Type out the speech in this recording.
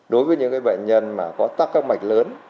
đối với những bệnh nhân mà có tắc các mạch lớn